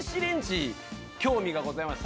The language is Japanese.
興味がございまして。